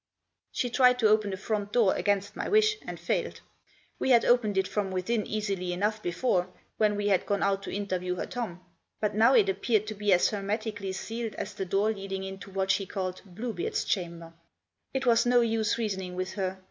She tried to open the front door, against my wish, and failed. We had opened it from within easily enough before, when we had gone out to interview her Tom ; but now it appeared to be as hermetically sealed as the door leading into what she called " Blue beard's Chamber." It was no use reasoning with her.